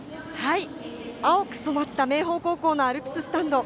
青く染まった明豊のアルプススタンド。